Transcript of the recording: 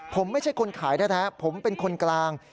ผมไม่ใช่คนขายแท้ผมเป็นคนกลาง